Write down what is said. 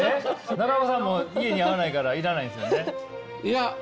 中岡さんも家に合わないから要らないですよね？